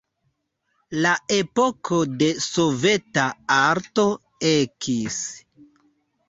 La epoko de soveta arto ekis.